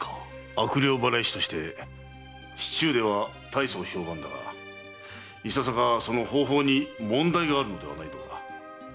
悪霊祓い師として市中ではたいそう評判だがいささかその方法に問題があるのではないのか。